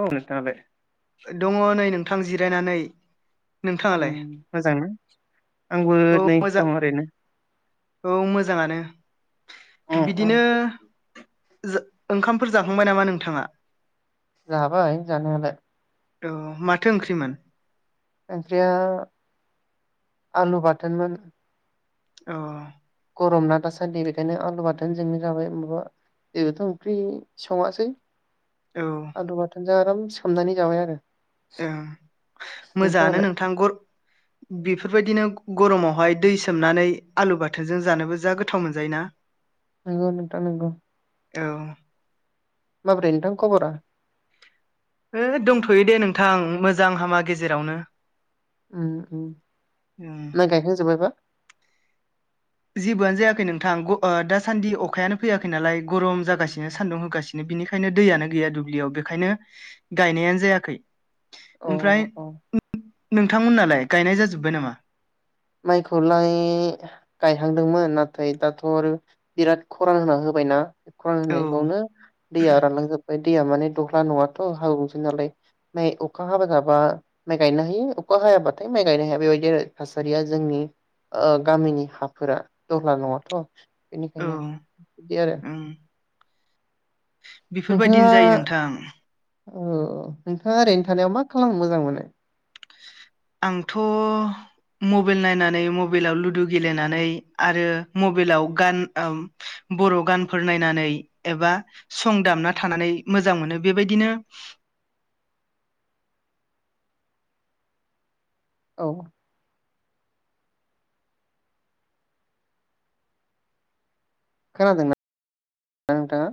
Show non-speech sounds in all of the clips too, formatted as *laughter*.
औ नोंथां दे दङ' नै नोंथां जिरायनानै। नोंथाङालाय उम मोजांना आंबो औ नै मोजां दं ओरैनो। औ मोजाङानो उम उम बिदिनो ओंखामफोर जाखांबाय नामा नोंथाङा? जाबाय जानायालाय। औ माथो ओंख्रिमोन? ओंख्रिया आलु बाथोनमोन। अ गरम ना दासान्दि बेखायनो आलु बाथोन जोंनो जाबाय माबा जेबोथ' ओंख्रि सङासै। औ आलु बाथोनजों आराम सोमनानै जाबाय आरो। औ मोजाङानो नोंथाङालाय नोंथां बेफोर बायदिनो गरमावहाय दै सोमनानै आलु बाथोनजों जानोबो जा गोथाव मोनजायोना? नंगौ नोंथां नंगौ। औ। माबोरै नोंथां खबरा हो दंथ'यो दे नोंथां मोजां हामा गेजेरावनो उम उम उम माइ गायखांजोबबायबा जेबोआनो जायाखै नोंथां दासान्दि अखायानो फैयाखै नालाय गरम जागासिनो सान्दुं होगासिनो। बिनिखायनो दैयानो गैया दुब्लियाव बेखायनो गायनायानो जायाखै। अ ओमफ्राय अ नोंथांमोननालाय गायनाय जाजोब्बाय नामा? माइखौलाय गायहांदोंमोन नाथाय दाथ' आरो बिराद खरान होना होबायना। खरान औ होननायखौनो दैया रानलांजोब्बाय दैया माने दह्ला नङाथ' हाब्रुसो नालाय अखा हाबाय थाबा माइ गायनो हायो अखा हायाबाथाय माइ गायनो हाया बेबायदि आरो था थासारिया जोंनि ओ गामिनि हाफोरा दह्ला नङाथ' औ बेनिखायनो बिदि आरो ओं बेफोरबायदिनो जायो नोंथां। औ नोंथाङा ओरैनो थानायाव मा खालामनो मोजां मोनो? आंथ' मबाइल नायनानै मबाइलाव लुदु गेलेनानै आरो म बाइलाव गान औ बर' गानफोर नायनानै एबा सं दामना थानानै मोजां मोनो बेबायदिनो *inaudible* औ। खोनादोंना नोंथाङा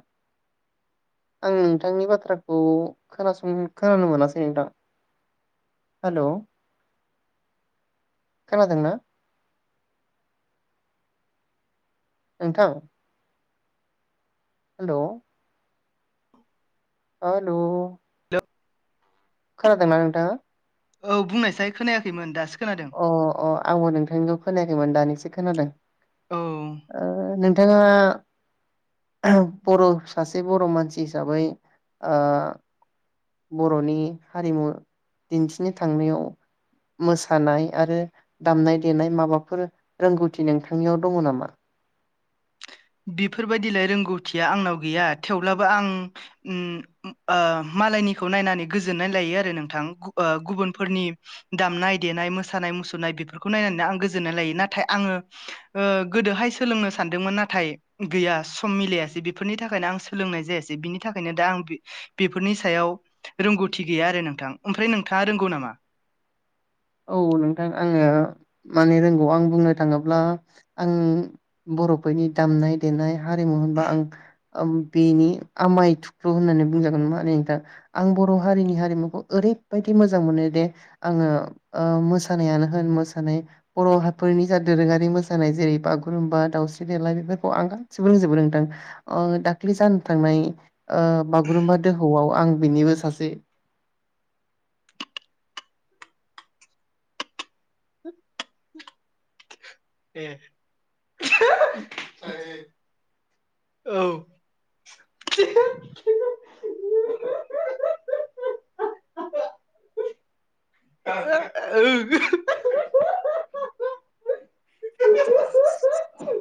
आं नोंथांनि बाथ्राखौ खोनासं खोनानो मोनासै नोंथां। हेलौ खोनादोंना? नोंथां। हेलौ हेलौ खोनादोंना नोंथाङा। औ बुंनायसाय खोनायाखैमोन दासोख अ अ आंबो नोंथांनिखौ खोनायाखैमोन दानिसो खोनादों औ ओ नों ङा बर' सासे बर' मानसि हिसाबै ओ। बर'नि हारिमु दिन्थिनो थांनायाव। मोसानाय आरो दामनाय देनाय माबाफोर रोंगौथि नोंथांनियाव दङ नामा? बेफोरबायदिलाय रोंगौथिया आंनाव गैया थेवब्लाबो आं ओम ओ। मालायनिखौ नायनानै गोजोन्नाय लायो आरो नोंथां गु ओ गुबुनफोरनि दामनाय देनाय मोसानाय। मुसुरनाय बेफोरखौ नायनानै आं गोजोननाय लायो नाथाय आङो ओ गोदोहाय सोलोंनो सानदोंमोन नाथ नाथाय गैया सम मिलायासै बेफोरनि थाखायनो आं सोलोंनाय जायासै बिनि थाखायनो दा आं बि बेफोरनि। नि सायाव रोंगौथि गैया आरो नोंथां ओमफ्राय नोंथाङा रोंगौ नामा? *inaudible* औ नोंथां आङो माने रोंगौ आं बुंनो थाङोब्ला आं। बर'फोरनि दामनाय देनाय हारिमु होनबा आं। ओम बेनि आमाय थुख्लु होननानै बुंजागोन माने नों दा आं बर' हारिनि हारिमुखौ ओर ओरैबायदि मोजां मोनो दे आङो। ओ मोसानायानो होन मोसानाय बर'फोरनि जा दोरोङारि मोसानाय जेरै बागुरुम्बा दावउस सि देलाय बेफोरखौ आं गासिबो रोंजोबो रोंथां अ दाख्लि जानो थांनाय। बागुरुम्बा दोहौआव आं बिनिबो सासे। ए। *inaudible* औ। ओ। *inaudible*